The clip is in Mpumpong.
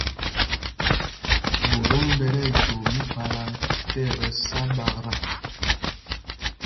Ɓotom ɓɛ tí ɛjoo míkphālā tí ɛkɛ sá ɓaktá.